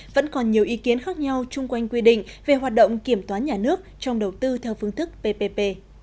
vẫn còn nhiều ý kiến khác nhau chung quanh quy định về hoạt động kiểm toán nhà nước trong đầu tư theo phương thức ppp